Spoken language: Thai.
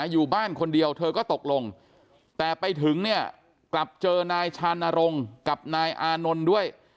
อยู่บ้านคนเดียวเธอก็ตกลงแต่ไปถึงเนี่ยกลับเจอนายชานรงค์กับนายอานนท์ด้วย